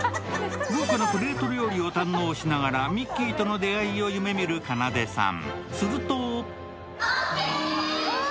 豪華なプレート料理を堪能しながらミッキーとの出会いを夢見る、かなでさん。